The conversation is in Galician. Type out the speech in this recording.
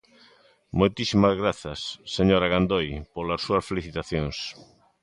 Moitísimas grazas, señora Gandoi, polas súas felicitacións.